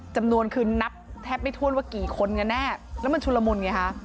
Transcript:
จำนวนคือนับแทบไม่ถ้วนว่ากี่คนกันแน่แล้วมันชุลมุนไงคะ